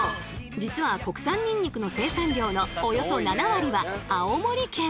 実は国産ニンニクの生産量のおよそ７割は青森県。